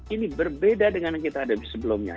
ini berbeda dengan yang kita hadapi sebelumnya